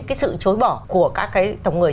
cái sự chối bỏ của các cái tổng người